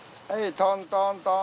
トントントン